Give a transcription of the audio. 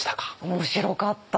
面白かった。